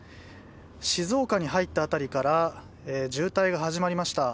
静岡に入った辺りから渋滞が始まりました。